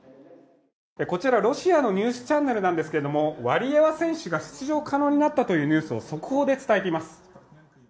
こちらロシアのニュースチャンネルなんですけれども、ワリエワ選手が出場可能になったというニュースを速報で伝えています。